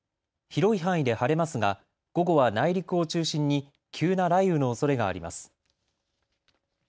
広い範囲で晴れますが午後は内陸を中心に急な雷雨のおそれがあります。